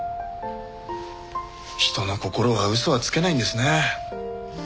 人の心は嘘はつけないんですね。